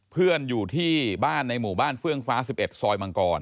อยู่ที่บ้านในหมู่บ้านเฟื่องฟ้า๑๑ซอยมังกร